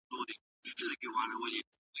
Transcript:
د خلکو هيلې يې واقعي ساتلې.